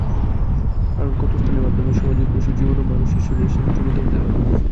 কারণ, ক্ষতস্থানের মাধ্যমে সহজেই পশুর জীবাণু মানুষের শরীরে সংক্রমিত হতে পারে।